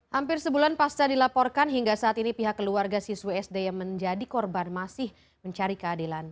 hampir sebulan pasca dilaporkan hingga saat ini pihak keluarga siswi sd yang menjadi korban masih mencari keadilan